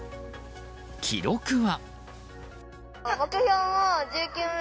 記録は。